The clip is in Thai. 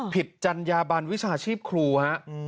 ปิดจัญญาบันวิทยาชีพครูอ่ะ